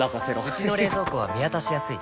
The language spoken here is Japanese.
うちの冷蔵庫は見渡しやすい